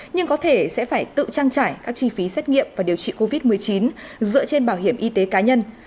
nhưng có thể sẽ phải tự trang trải các chi phí xét nghiệm và điều trị covid một mươi chín dựa trên bảo hiểm y tế cá nhân